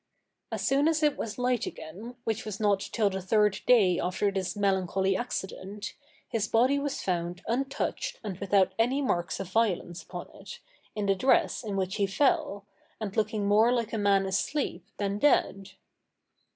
As soon as it was light again, which was not till the third day after this melancholy accident, his body was found untouched and without any marks of violence upon it, in the dress in which he fell, and looking more like a man asleep than dead.